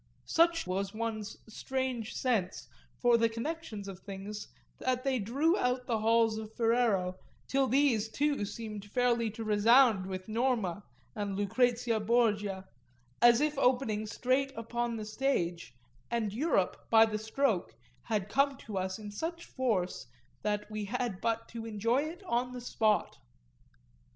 Such was one's strange sense for the connections of things that they drew out the halls of Ferrero till these too seemed fairly to resound with Norma and Lucrezia Borgia, as if opening straight upon the stage, and Europe, by the stroke, had come to us in such force that we had but to enjoy it on the spot.